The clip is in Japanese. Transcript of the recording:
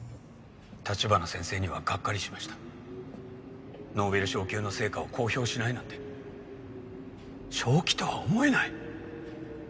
立花先生にはがっかりしましノーベル賞級の成果を公表しないなんて正気とは思えない！